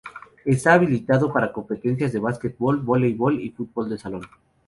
Está habilitado para competencias de básquetbol, vóleibol y fútbol de salón.